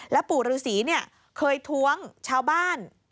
แล้วปู่ฤษีเนี่ยเคยท้วงชาวบ้าน